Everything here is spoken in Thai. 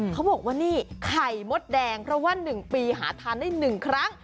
เขาบอกว่านี่ไข่มดแดงเพราะว่า๑ปีหาทานได้๑ครั้ง